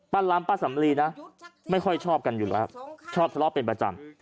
ล้ำป้าสำลีนะไม่ค่อยชอบกันอยู่แล้วชอบทะเลาะเป็นประจำ